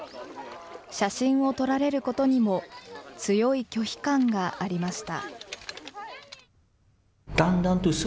写真を撮られることにも強い拒否感がありました。